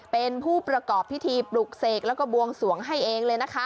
เป็นผู้ประกอบพิธีปลุกเสกและก็บวงสวงให้เอง